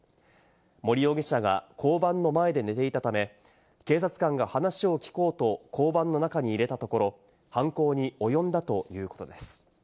森容疑者が交番の前で寝ていたため、警察官が話を聞こうと交番の中に入れたところ、犯行に及んだということです。